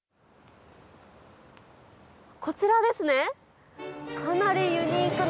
こちらですね。